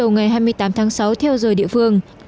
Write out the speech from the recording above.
ngày hai mươi tám tháng sáu theo giờ địa phương